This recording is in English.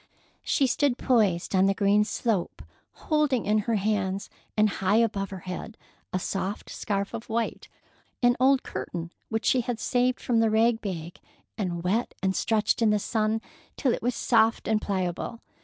She stood poised on the green slope, holding in her hands and high above her head a soft scarf of white—an old curtain which she had saved from the rag bag and wet and stretched in the sun till it was soft and pliable.